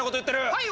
はい！